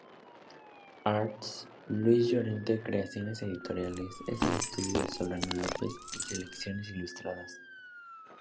Arts, Luis Llorente Creaciones Editoriales, el estudio de Solano Lopez, y Selecciones Ilustradas.